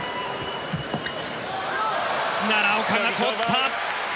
奈良岡が取った。